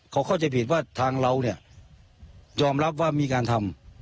เขาเข้าใจผิดว่าทางเราเนี่ยยอมรับว่ามีการทำ